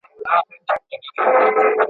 زمانې یمه یو عمر په خپل غېږ کي آزمېیلی ..